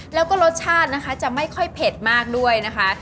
แล้วก็รสชาตินะคะจะไม่ค่อยเผ็ดมากด้วยนะคะ